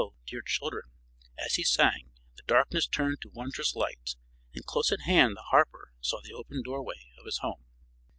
dear children, as he sang the darkness turned to wondrous light, and close at hand the harper saw the open doorway of his home.